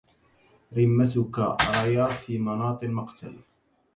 رمتك ريا في مناط المقتل